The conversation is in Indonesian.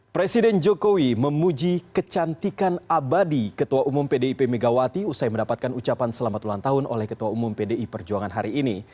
presiden jokowi memuji kecantikan abadi ketua umum pdip megawati usai mendapatkan ucapan selamat ulang tahun oleh ketua umum pdi perjuangan hari ini